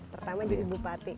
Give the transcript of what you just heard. pertama di ibu pati